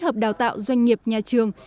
kết hợp đào tạo doanh nghiệp nhà trường